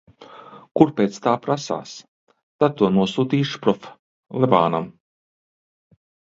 Kur pēc tā prasās. Tad to nosūtīšu prof. Levānam.